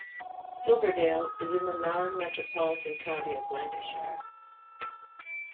Silverdale is in the non-metropolitan county of Lancashire.